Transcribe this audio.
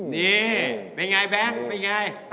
นี่เป็นไงแบงค์เป็นไง